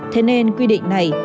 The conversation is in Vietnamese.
thế nên quy định này